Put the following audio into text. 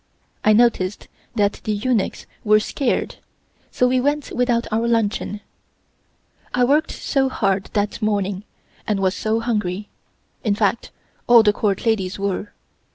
I noticed that the eunuchs were scared, so we went without our luncheon. I worked so hard that morning, and was so hungry in fact all the Court ladies were.